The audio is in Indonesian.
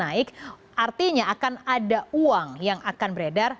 dan naik artinya akan ada uang yang akan beredar